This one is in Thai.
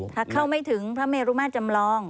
ถ้าเข้าไม่ถึงพระเมรุมาจำลอง